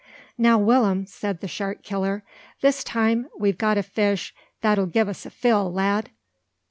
"Now, Will'm," said the shark killer, "this time we've got a fish that'll gi'e us a fill, lad.